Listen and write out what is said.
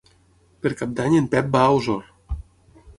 Per Cap d'Any en Pep va a Osor.